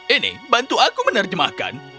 ini bantu aku menerjemahkan